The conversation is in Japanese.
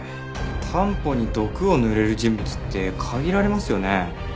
タンポに毒を塗れる人物って限られますよね。